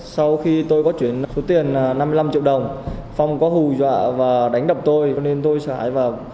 sau khi tôi có chuyển số tiền năm mươi năm triệu đồng phong có hù dọa và đánh đập tôi cho nên tôi xài vào